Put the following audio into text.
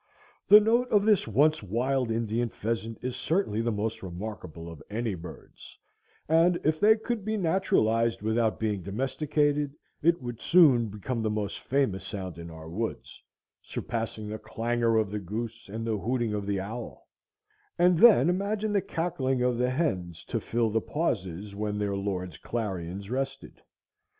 The note of this once wild Indian pheasant is certainly the most remarkable of any bird's, and if they could be naturalized without being domesticated, it would soon become the most famous sound in our woods, surpassing the clangor of the goose and the hooting of the owl; and then imagine the cackling of the hens to fill the pauses when their lords' clarions rested!